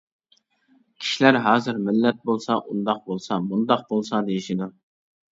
كىشىلەر ھازىر مىللەت بولسا ئۇنداق بولسا مۇنداق بولسا دېيىشىدۇ.